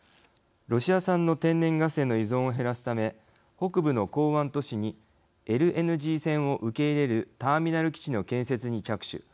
ロシア産の天然ガスへの依存を減らすため北部の港湾都市にＬＮＧ船を受け入れるターミナル基地の建設に着手。